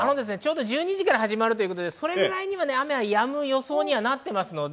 １２時から始まるということで、それぐらいには雨はやむ予想にはなっています。